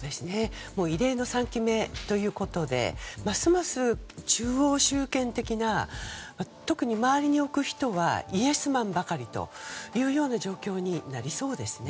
異例の３期目ということでますます中央集権的な特に周りに置く人はイエスマンばかりという状況になりそうですよね。